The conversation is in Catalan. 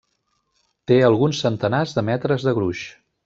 Té alguns centenars de metres de gruix.